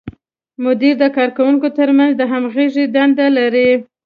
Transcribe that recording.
مدیر د کارکوونکو تر منځ د همغږۍ دنده لري.